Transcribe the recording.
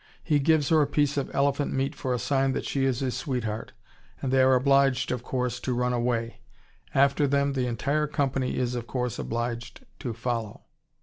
He gives her a piece of elephant meat for a sign that she is his sweetheart and they are obliged, of course, to run away. After them the entire company is, of course, obliged to follow.